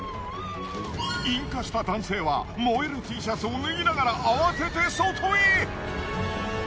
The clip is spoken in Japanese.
引火した男性は燃えるＴシャツを脱ぎながら慌てて外へ！